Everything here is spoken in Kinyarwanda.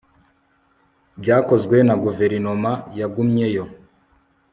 Byakozwe na guverinoma Yagumyeyo